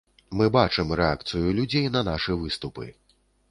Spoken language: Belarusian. Мы бачым рэакцыю людзей на нашы выступы.